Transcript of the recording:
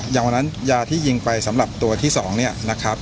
อย่างวันนั้นยาที่ยิงไปสำหรับตัวที่๒เนี่ยนะครับ